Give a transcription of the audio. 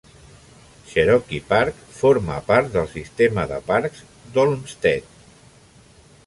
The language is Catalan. Cherokee Park forma part del sistema de parcs d'Olmsted.